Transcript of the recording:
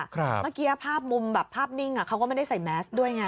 เมื่อกี้ภาพมุมแบบภาพนิ่งเขาก็ไม่ได้ใส่แมสด้วยไง